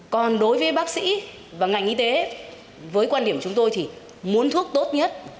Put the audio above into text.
còn đối với bác sĩ và ngành y tế với quan điểm chúng tôi thì muốn thuốc tốt nhất